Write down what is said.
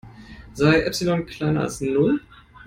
Sei Epsilon kleiner als Null.